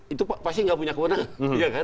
itu pasti nggak punya kewenangan